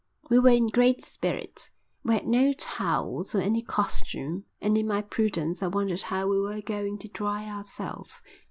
We were in great spirits. We had no towels or any costume and in my prudence I wondered how we were going to dry ourselves.